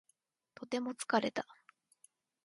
とても疲れた